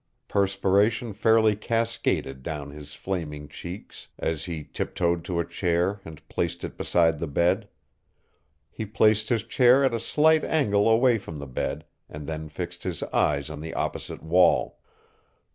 Perspiration fairly cascaded down his flaming cheeks as he tiptoed to a chair and placed it beside the bed. He placed his chair at a slight angle away from the bed and then fixed his eyes on the opposite wall.